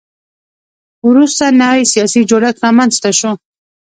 وروسته نوی سیاسي جوړښت رامنځته شو.